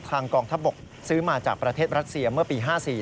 กองทัพบกซื้อมาจากประเทศรัสเซียเมื่อปี๕๔